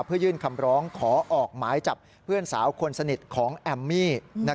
เพื่อยื่นคำร้องขอออกหมายจับเพื่อนสาวคนสนิทของแอมมี่